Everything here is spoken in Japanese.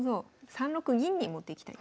３六銀に持っていきたいんですね。